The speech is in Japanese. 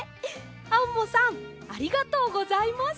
アンモさんありがとうございます。